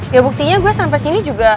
ya buktinya gue sampai sini juga